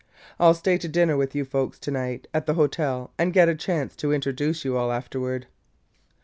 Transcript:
I 'll stay to dinner with you folks to night at the hotel and get a chance to introduce you all afterward."